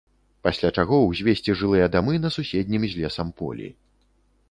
Пасля чаго ўзвесці жылыя дамы на суседнім з лесам полі.